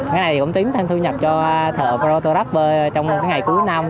cái này cũng tính thêm thu nhập cho thợ proto rapper trong ngày cuối năm